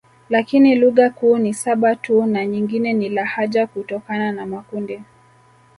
Lakini lugha kuu ni saba tu na nyingine ni lahaja kutokana na makundi